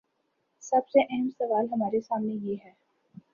سب سے اہم سوال ہمارے سامنے یہ ہے۔